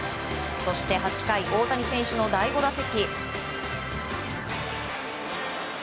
そして８回大谷選手の第５打席。